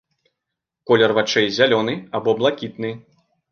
Колер вачэй зялёны або блакітны.